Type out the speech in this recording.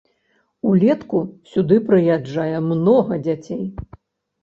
Улетку сюды прыязджае многа дзяцей.